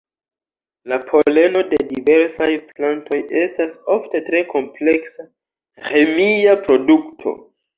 La poleno de diversaj plantoj estas ofte tre kompleksa "ĥemia produkto".